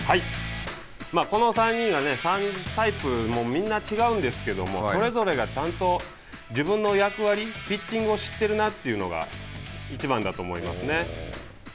この３人は、３タイプ、みんな違うんですけどもそれぞれがちゃんと自分の役割ピッチングを知っているなというのが一番だと思いますね。